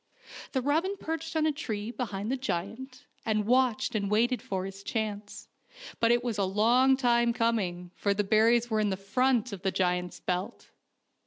The robin perched on a tree behind the giant, and watched and waited for his chance; but it was a long time coming, for the berries were in front of the giant's belt.